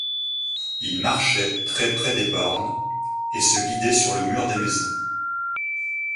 Il marchait très près des bornes et se guidait sur le mur des maisons.